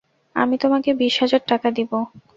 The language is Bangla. আমি তোমাকে বিশ হাজার টাকা দিব।